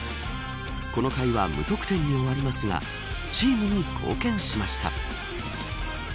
この回は無得点に終わりますがチームに貢献しました。